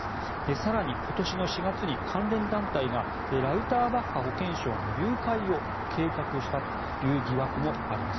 更に、今年４月に関連団体がラウターバッハ保健相の誘拐を計画したという疑惑もあります。